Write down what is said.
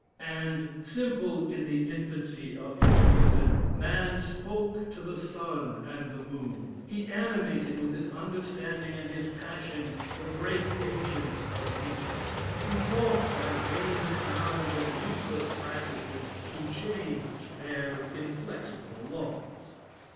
"And, simple in the infancy of his reason, man spoke to the sun and the moon; he animated with his understanding and his passions the great agents of nature; he thought by vain sounds and useless practices to change their inflexible laws.